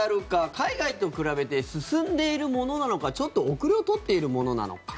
海外と比べて進んでいるものなのかちょっと後れを取っているものなのか。